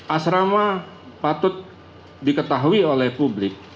asrama patut diketahui oleh publik